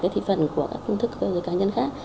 thị phần của các phương thức cá nhân khác